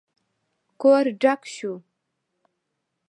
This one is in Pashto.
کور ډک شو.